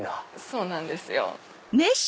そうなんですよ。